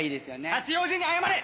八王子に謝れ！